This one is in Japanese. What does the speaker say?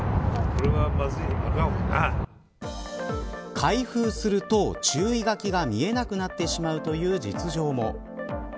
開封すると注意書きが見えなくなってしまうという実情も。